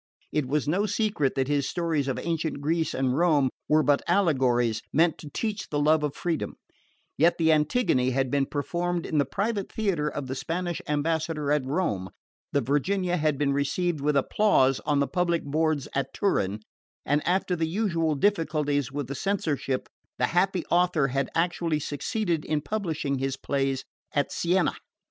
It was no secret that his stories of ancient Greece and Rome were but allegories meant to teach the love of freedom; yet the Antigone had been performed in the private theatre of the Spanish Ambassador at Rome, the Virginia had been received with applause on the public boards at Turin, and after the usual difficulties with the censorship the happy author had actually succeeded in publishing his plays at Siena.